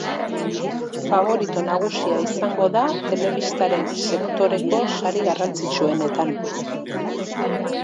Faborito nagusia izango da telebistaren sektoreko sari garrantzitsuenetan.